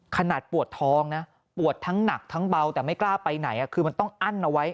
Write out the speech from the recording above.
ขนาดปวดท้องนะปวดทั้งหนักทั้งเบาแต่ไม่กล้าไปไหนคือมันต้องอั้นเอาไว้